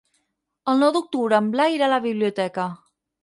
El nou d'octubre en Blai irà a la biblioteca.